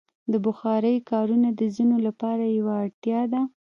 د بخارۍ کارونه د ځینو لپاره یوه اړتیا ده.